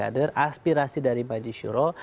aspirasi dari kader aspirasi dari baji syuroh